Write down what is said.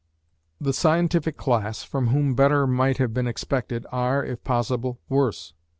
The scientific class, from whom better might have been expected, are, if possible, worse.